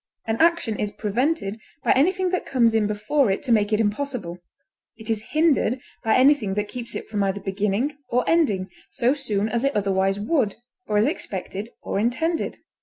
An action is prevented by anything that comes in before it to make it impossible; it is hindered by anything that keeps it from either beginning or ending so soon as it otherwise would, or as expected or intended.